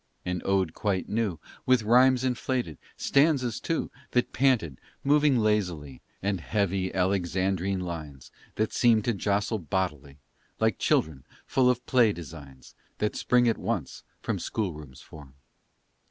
An ode quite new, With rhymes inflated stanzas, too, That panted, moving lazily, And heavy Alexandrine lines That seemed to jostle bodily, Like children full of play designs That spring at once from schoolroom's form.